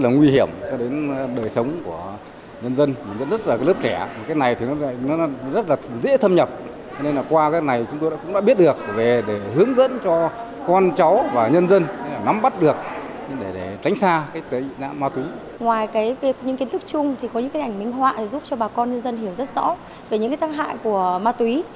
những kiến thức chung có những ảnh minh họa giúp cho bà con dân hiểu rất rõ về những tác hại của ma túy